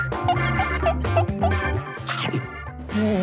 ซีฟู้ดดีมาก